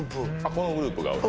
このグループが多い？